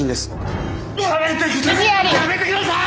やめてください！